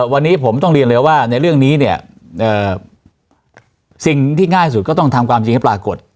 วันนี้ผมต้องเรียนเลยว่าในเรื่องนี้เนี่ยสิ่งที่ง่ายสุดก็ต้องทำความจริงให้ปรากฏ